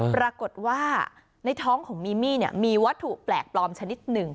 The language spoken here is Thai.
ปรากฏว่าในท้องของมีมี่มีวัตถุแปลกปลอมชนิดหนึ่ง